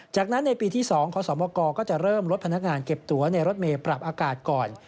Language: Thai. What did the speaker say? จากนั้นในปีที่๒ขอสมกก็จะเริ่มลดพนักงานเก็บตัวในรถเมย์ปรับอากาศก่อน